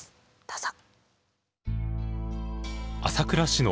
どうぞ。